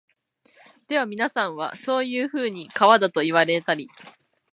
ではみなさんは、そういうふうに川だと云いわれたり、